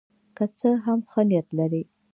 که څه هم ښه نیت لري.